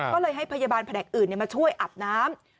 ก็เลยให้พยาบาลแผนกอื่นมาช่วยอาบน้ำ